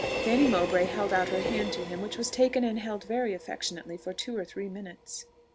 Fanny Mowbray held out her hand to him, which was taken and held very affectionately for two or three minutes.